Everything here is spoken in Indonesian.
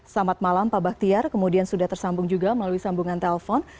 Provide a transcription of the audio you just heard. selamat malam pak bahtiar kemudian sudah tersambung juga melalui sambungan telpon